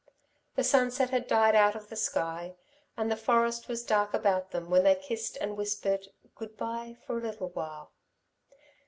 The sunset had died out of the sky, and the forest was dark about them when they kissed and whispered "good bye for a little while."